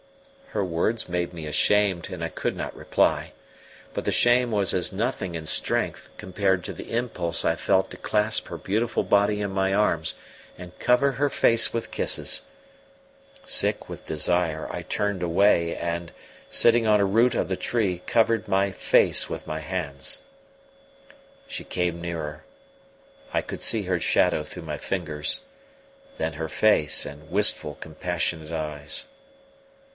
Her words made me ashamed, and I could not reply. But the shame was as nothing in strength compared to the impulse I felt to clasp her beautiful body in my arms and cover her face with kisses. Sick with desire, I turned away and, sitting on a root of the tree, covered my face with my hands. She came nearer: I could see her shadow through my fingers; then her face and wistful, compassionate eyes.